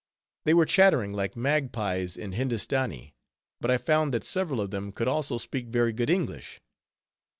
They were chattering like magpies in Hindostanee, but I found that several of them could also speak very good English.